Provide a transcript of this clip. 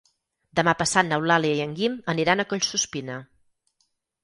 Demà passat n'Eulàlia i en Guim aniran a Collsuspina.